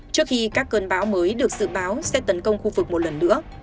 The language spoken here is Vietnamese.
trước khi các cơn bão mới được dự báo sẽ tấn công khu vực một lần nữa